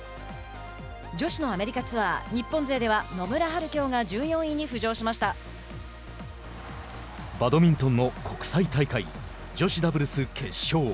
女子のアメリカツアー日本勢では野村敏京がバドミントンの国際大会女子ダブルス決勝。